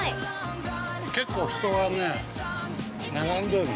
結構、人がね、並んでおるの。